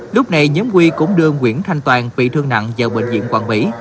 lúc này nhóm huy cũng đưa nguyễn thanh toàn bị thương nặng vào bệnh viện quảng mỹ